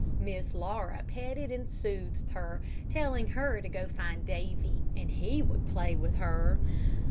Miss Laura petted and soothed her, telling her to go find Davy, and he would play with her.